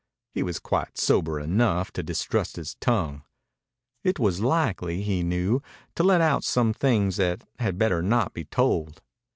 He was quite sober enough to distrust his tongue. It was likely, he knew, to let out some things that had better not be told.